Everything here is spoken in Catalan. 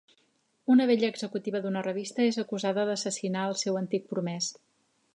Una bella executiva d'una revista és acusada d'assassinar el seu antic promès.